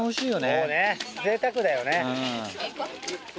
そうねぜいたくだよね。